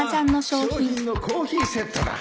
賞品のコーヒーセットだ